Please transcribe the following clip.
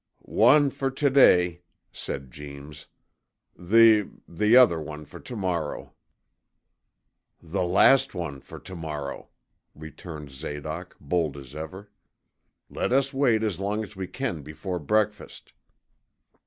'One for to day,' said Jeems, 'the the other one for to morrow.' 'The last one for to morrow!' returned Zadoc, bold as ever. 'Let us wait as long as we can before breakfast!'